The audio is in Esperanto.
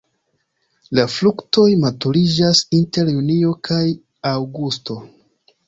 La fruktoj maturiĝas inter junio kaj aŭgusto.